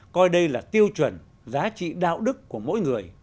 coi đây là tiêu chuẩn giá trị đạo đức của mỗi người